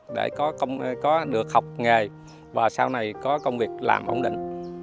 để có được học nghề và sau này có công việc làm ổn định